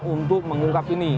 untuk mengungkap ini